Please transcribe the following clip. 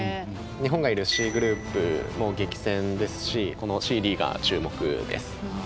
日本がいるＣグループも激戦ですしこのＣＤが注目です。